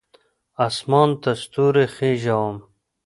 اسمان ته ستوري خیژوم